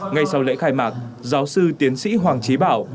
ngay sau lễ khai mạc giáo sư tiến sĩ hoàng trí bảo